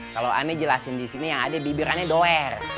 kalo aneh jelasin disini yang aneh bibir aneh doer